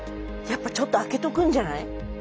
やっぱちょっと空けとくんじゃない？